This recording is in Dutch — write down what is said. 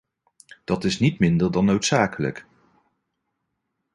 Dat is niet minder dan noodzakelijk.